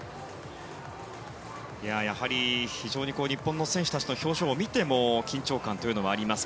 やはり非常に日本の選手たちの表情を見ても緊張感というのがあります。